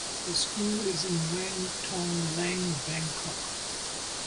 The school is in Wang Thong Lang, Bangkok.